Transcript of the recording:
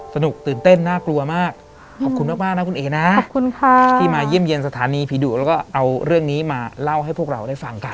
ตื่นเต้นน่ากลัวมากขอบคุณมากนะคุณเอ๋นะขอบคุณค่ะที่มาเยี่ยมเยี่ยมสถานีผีดุแล้วก็เอาเรื่องนี้มาเล่าให้พวกเราได้ฟังกัน